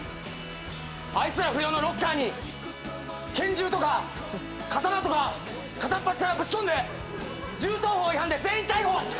あいつら不良のロッカーに拳銃とか刀とか片っ端からぶちこんで銃刀法違反で全員逮捕！